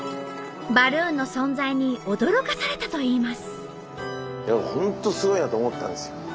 バルーンの存在に驚かされたといいます。